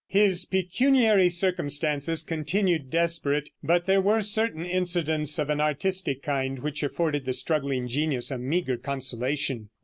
])] His pecuniary circumstances continued desperate but there were certain incidents of an artistic kind which afforded the struggling genius a meager consolation.